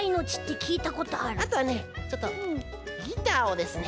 あとはねちょっとギターをですね。